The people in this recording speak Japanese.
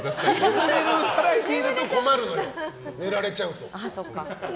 眠れるバラエティーだと困るのよ、寝られちゃうから。